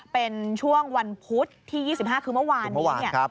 เป็นช่วงวันพุธที่๒๕คือเมื่อวานนี้เนี่ย